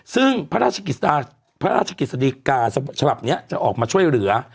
ซึ่งพระราชกฤษฎีกาฉบับนี้จะออกมาช่วยเหลือ